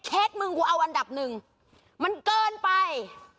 มึงกูเอาอันดับหนึ่งมันเกินไป